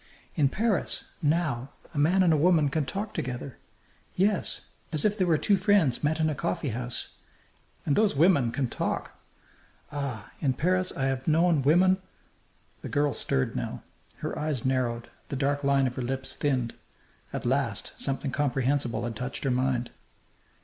In Paris, now, a man and a woman can talk together yes as if they were two friends met in a coffeehouse. And those women can talk! Ah! in Paris I have known women " The girl stirred now. Her eyes narrowed; the dark line of her lips thinned. At last something comprehensible had touched her mind.